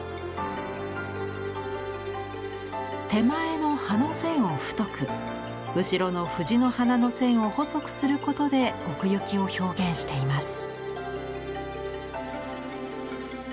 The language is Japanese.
手前の葉の線を太く後ろの藤の花の線を細くすることで奥行きを表現しています。